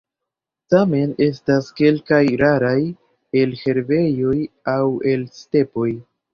Tamen estas kelkaj raraj el herbejoj aŭ el stepoj.